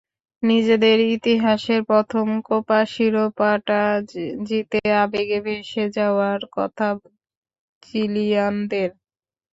নিজেদের ইতিহাসের প্রথম কোপা শিরোপাটা জিতে আবেগে ভেসে যাওয়ার কথা চিলিয়ানদের।